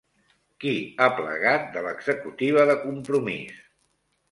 Qui ha plegat de l'executiva de Compromís?